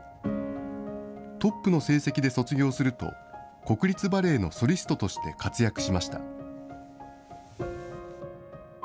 トップの成績で卒業すると、国立バレエのソリストとして活躍しました。